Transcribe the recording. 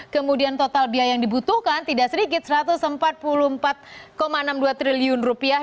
kemudian total biaya yang dibutuhkan tidak sedikit satu ratus empat puluh empat enam puluh dua triliun rupiah